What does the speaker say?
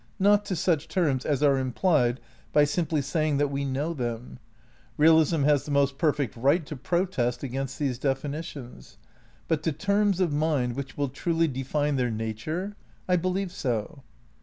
Not to such terms as are implied by simply saying that we "know" them — VI RECONSTRUCTION OF IDEALISM 233 realism has the most perfect right to protest against these definitions — ^but to terms of mind which will truly define their nature? I believe so.